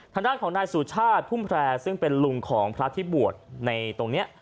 ทางด้านของนายสุชาติพุ่มแพร่ซึ่งเป็นลุงของพระที่บวชในตรงนี้